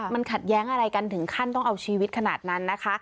มันขัดแย้งอะไรกันถึงขั้นต้องเอาชีวิตขนาดนั้นนะคะ